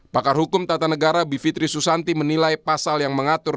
pakar hukum tata negara bivitri susanti menilai pasal yang mengatur